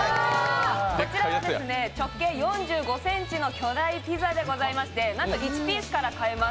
こちらは直径４５ｃｍの巨大ピザでございましてなんと１ピースから買えます。